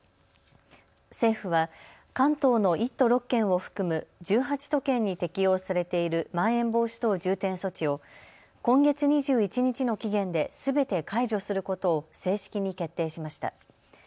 政府は関東の１都６県を含む１８都県に適用されているまん延防止等重点措置を今月２１日の期限ですべて解除することを正式に決定しました。